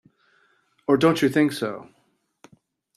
Or don't you think so?